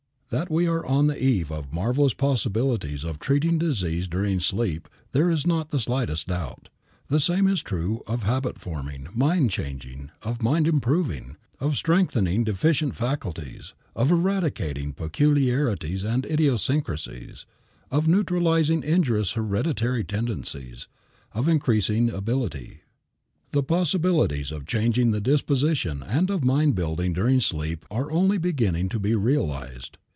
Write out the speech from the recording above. That we are on the eve of marvelous possibilities of treating disease during sleep there is not the slightest doubt. The same is true of habit forming, mind changing, of mind improving, of strengthening deficient faculties, of eradicating peculiarities and idiosyncrasies, of neutralizing injurious hereditary tendencies, of increasing ability. The possibilities of changing the disposition and of mind building during sleep are only beginning to be realized.